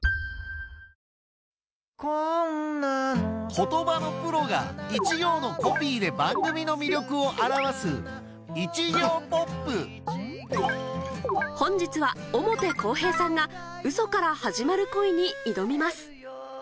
言葉のプロが一行のコピーで番組の魅力を表す本日は表公平さんが『嘘から始まる恋』に挑みます